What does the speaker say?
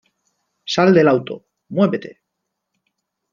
¡ Sal del auto! ¡ muévete !